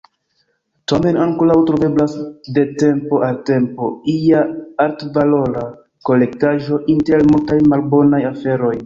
Tamen ankoraŭ troveblas de tempo al tempo ia altvalora kolektaĵo inter multaj malbonaj aferoj.